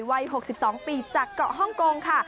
วัย๖๒ปีจากเกาะฮ่องกงค่ะ